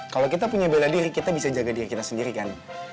kalau kita punya bela diri kita bisa jaga diri kita sendiri kan